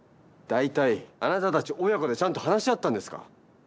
大体あなたたち親子でちゃんと話し合ったんですか？